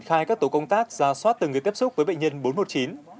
khai các tổ công tác ra soát từng người tiếp xúc với bệnh nhân bốn trăm một mươi chín